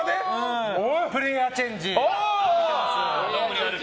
プレーヤーチェンジ、見てます。